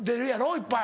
いっぱい。